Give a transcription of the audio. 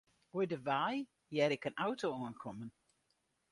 Oer de wei hear ik in auto oankommen.